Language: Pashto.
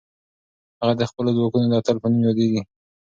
هغه د خپلو ځواکونو د اتل په نوم یادېږي.